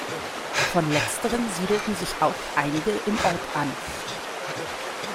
Von letzteren siedelten sich auch einige im Ort an.